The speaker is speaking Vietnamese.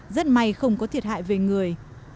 rất may không có thiệt hại về người